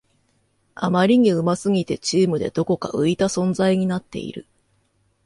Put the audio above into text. あまりに上手すぎてチームでどこか浮いた存在になっている